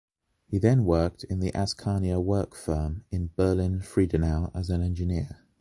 He then worked in the Askania-Werke firm in Berlin-Friedenau as an engineer.